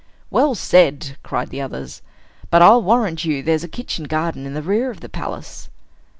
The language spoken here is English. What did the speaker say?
"Well said!" cried the others. "But I'll warrant you there's a kitchen garden in the rear of the palace."